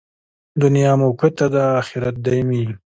دنیا موقته ده، اخرت دایمي.